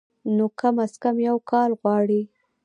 نو کم از کم يو کال غواړي